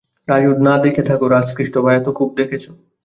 রাজু না দেখে থাকো, রাজকৃষ্ট ভায়া তো খুব দেখেচোঁ।